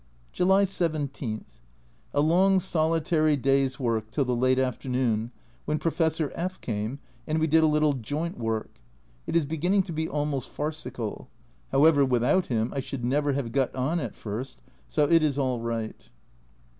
July 17. A long solitary day's work till the late afternoon, when Professor F came, and we did a little "joint work" it is beginning to be almost farcical ; however, without him I should never have got on at first, so it is all right.